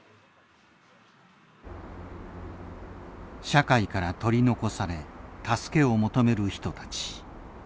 社会から取り残され助けを求める人たち。